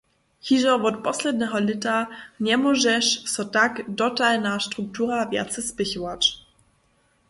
Hižo wot posledneho lěta njemóžeše so tak dotalna struktura wjace spěchować.